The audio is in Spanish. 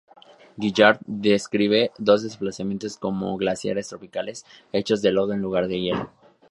Gaillard describe los deslizamientos como glaciares tropicales, hechos de lodo en lugar de hielo.